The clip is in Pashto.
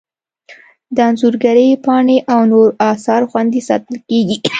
د انځورګرۍ پاڼې او نور اثار خوندي ساتل کیږي.